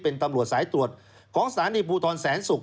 เป็นตำรวจสายตรวจของสถานีภูทรแสนศุกร์